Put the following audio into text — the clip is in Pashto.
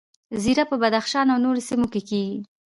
زیره په بدخشان او نورو سیمو کې کیږي